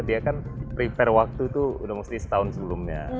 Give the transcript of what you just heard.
dia kan prepare waktu itu udah mesti setahun sebelumnya